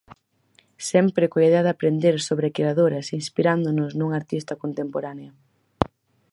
Sempre coa idea de aprender sobre creadoras inspirándonos nunha artista contemporánea.